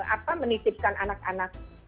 apa menitipkan anak anak